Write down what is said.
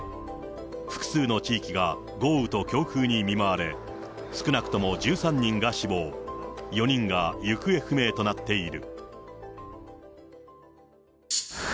複数の地域が豪雨と強風に見舞われ、少なくとも１３人が死亡、４人が行方不明となっている。